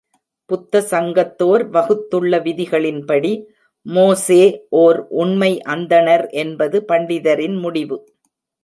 புத்த சங்கத்தோர் வகுத்துள்ள விதிகளின்படி மோசே ஓர் உண்மை அந்தணர் என்பது பண்டிதரின் முடிவு.